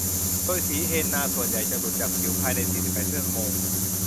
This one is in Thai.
โดยสีเฮนน่าส่วนใหญ่จะหลุดจากผิวภายใน สี่สิบแปด ชั่วโมง